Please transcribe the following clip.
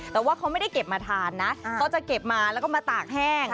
แต่ว่าเขาไม่ได้เก็บมาทานนะเขาจะเก็บมาแล้วก็มาตากแห้ง